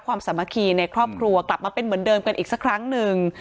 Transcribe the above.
สามัคคีในครอบครัวกลับมาเป็นเหมือนเดิมกันอีกสักครั้งหนึ่ง